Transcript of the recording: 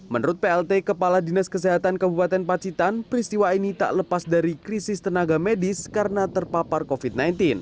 menurut plt kepala dinas kesehatan kabupaten pacitan peristiwa ini tak lepas dari krisis tenaga medis karena terpapar covid sembilan belas